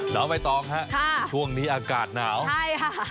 เราไปต่อค่ะช่วงนี้อากาศหนาวโอ้โหใช่ค่ะ